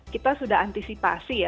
kita sudah antisipasi ya